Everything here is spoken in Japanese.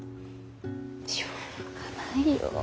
しょうがないよ。